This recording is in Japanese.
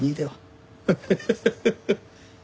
ハハハハッ。